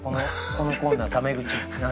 このコーナータメ口なんで。